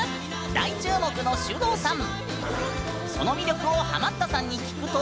大注目のｓｙｕｄｏｕさん。